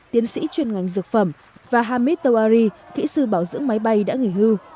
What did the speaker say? tiến sĩ chuyên ngành dược phẩm và hamid tawari thị sư bảo dưỡng máy bay đã nghỉ hưu